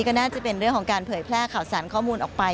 ก็น่าจะเป็นเรื่องของการเผยแพร่ข่าวสารข้อมูลออกไป